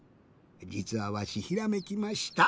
じつはわしひらめきました！